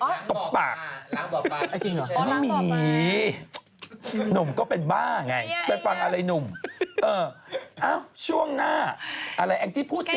จริงเหรอไม่มีน้ำก็เป็นบ้าไงเป็นฟังอะไรนุ่มเออช่วงหน้าอะไรแองที่พูดสิ